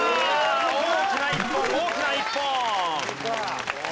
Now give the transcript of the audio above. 大きな一本大きな一本。